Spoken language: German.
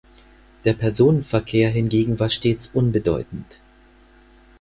Der Personenverkehr hingegen war stets unbedeutend.